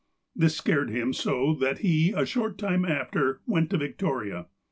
This scared him so that he, a short time after, went to Victoria.